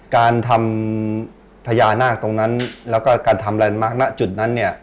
การทำพญานาคตรงนั้นแล้วก็การทำแลนดมาร์คณจุดนั้นเนี่ย